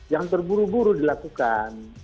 yang terburu buru dilakukan